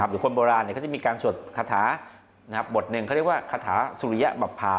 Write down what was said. อยู่คนโบราณเนี่ยก็จะมีการฉดคาถานะครับบทหนึ่งเขาเรียกว่าคาถาสุริยะบับพา